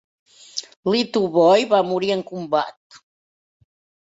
Litovoi va morir en combat.